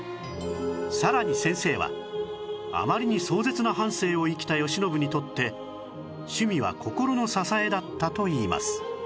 さらに先生はあまりに壮絶な半生を生きた慶喜にとって趣味は心の支えだったといいます